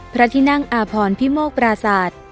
พระทินั่งอาพรพิมโมกปราสาท